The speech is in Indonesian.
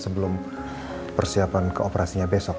sebelum persiapan ke operasinya besok